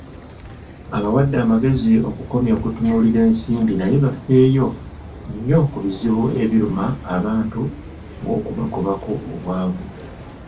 Abawadde amagezi okukomya okutunuulira ensimbi naye bafeeyo nnyo ku bizibu ebiruma abantu ng'okubagobako obwavu.